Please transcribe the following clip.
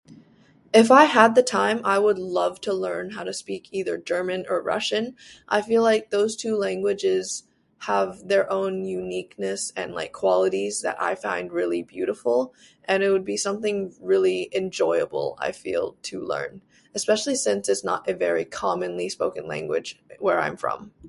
If I had the time, I would love to learn how to speak either German or Russian. I feel like those two languages have their own uniqueness and, like, qualities that I find really beautiful. And it would be something really enjoyable, I feel, to learn. Especially since it's not a very commonly-spoken language where I'm from.